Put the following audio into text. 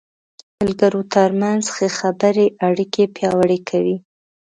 د ملګرو تر منځ ښه خبرې اړیکې پیاوړې کوي.